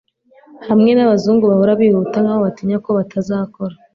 hamwe nabazungu bahora bihuta nkaho batinya ko batazakora